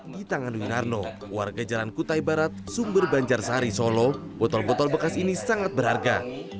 di tangan winarno warga jalan kutai barat sumber banjar sari solo botol botol bekas ini sangat berharga